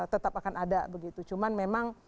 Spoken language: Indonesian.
tetap akan ada begitu cuman memang